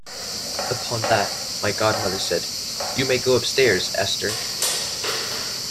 Upon that, my godmother said, "You may go upstairs, Esther!"